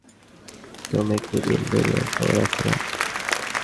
তুমি কি দিন-দুনিয়ার খবর রাখো না?